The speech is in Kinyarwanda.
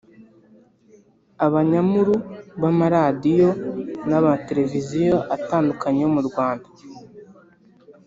abanyamuru b’amaradiyo n’amatelevisiyo atandukanye yo mu Rwanda